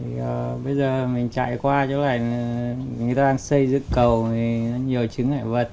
bây giờ mình chạy qua chỗ này người ta đang xây dựng cầu nhiều chứng ngại vật